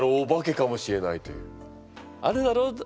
あるだろ？